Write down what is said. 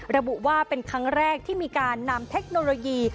ระบุว่าเป็นครั้งแรกที่มีการนำเทคโนโลยี